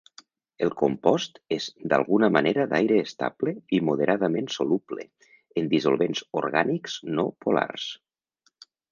El compost és d'alguna manera d'aire estable i moderadament soluble en dissolvents orgànics no polars.